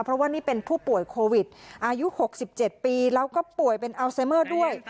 เพราะว่านี่เป็นผู้ป่วยโควิดอายุ๖๗ปีแล้วก็ป่วยเป็นอัลไซเมอร์ด้วย